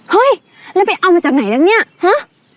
เฮ้ยแล้วไปเอามาจากไหนแล้วเนี่ยฮะ